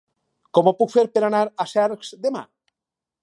Com ho puc fer per anar a Cercs demà?